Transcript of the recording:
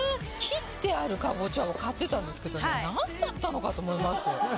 「切ってあるカボチャを買ってたんですけどね何だったのかと思いますよ」